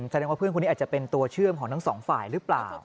แสดงว่าเพื่อนคนนี้อาจจะเป็นตัวเชื่อมของทั้งสองฝ่ายหรือเปล่า